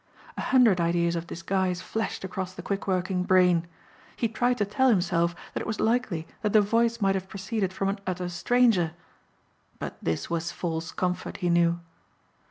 A hundred ideas of disguise flashed across the quick working brain. He tried to tell himself that it was likely that the voice might have proceeded from an utter stranger. But this was false comfort he knew.